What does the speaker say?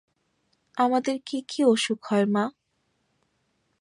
আমাদের কী কী অসুখ হয় মা?